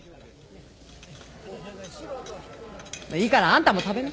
いいからあんたも食べな。